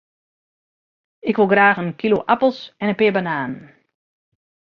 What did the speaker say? Ik wol graach in kilo apels en in pear bananen.